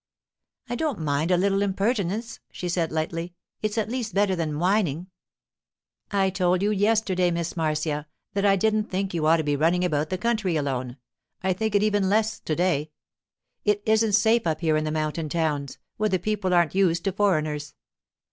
'I don't mind a little impertinence,' she said lightly. 'It's at least better than whining.' 'I told you yesterday, Miss Marcia, that I didn't think you ought to be running about the country alone—I think it even less to day. It isn't safe up here in the mountain towns, where the people aren't used to foreigners.